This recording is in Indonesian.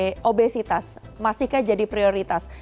target berantas obesitas masihkah jadi prioritas